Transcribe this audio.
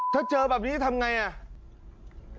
ถ้าเจอแบบนี้ทำอย่างไร